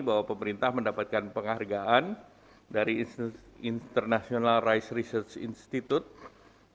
bahwa pemerintah mendapatkan penghargaan dari international rice research institute